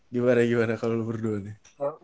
gimana gimana kalau lu berdua nih